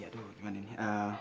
aduh gimana ini